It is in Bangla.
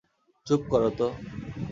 চুপ করো তো।